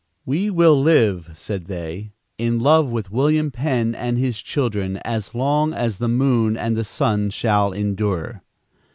"We will live," said they, "in love with William Penn and his children, as long as the moon and the sun shall endure."